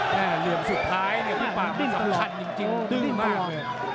เหลืองสุดท้ายพี่ปากมันสำคัญจริงตึ้งมาก